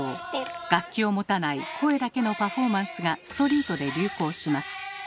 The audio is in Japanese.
楽器を持たない声だけのパフォーマンスがストリートで流行します。